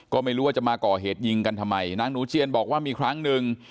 ก็ไม่รู้ว่าจะมาก่อเหตุยิงกันทำไมนางหนูเจียนบอกว่ามีครั้งหนึ่ง